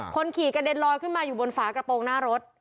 คนขี่กระเด็นลอยขึ้นมาอยู่บนฝากระโปรงหน้ารถ